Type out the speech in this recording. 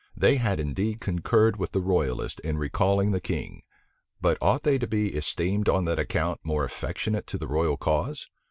They had indeed concurred with the royalists in recalling the king; but ought they to be esteemed, on that account, more affectionate to the royal cause?